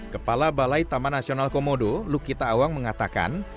kepala balai taman nasional komodo lukita awang mengatakan